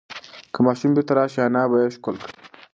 که ماشوم بیرته راشي، انا به یې ښکل کړي.